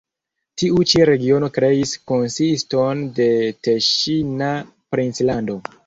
Tiu ĉi regiono kreis konsiston de teŝina princlando.